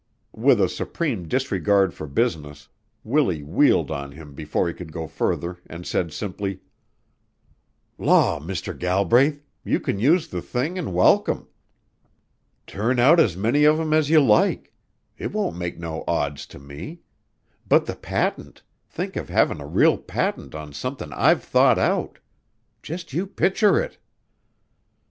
With a supreme disregard for business, Willie wheeled on him before he could go further and said simply: "Law, Mr. Galbraith, you can use the thing an' welcome. Turn out as many of 'em as you like. It won't make no odds to me. But the patent think of havin' a real patent on somethin' I've thought out! Just you picture it!"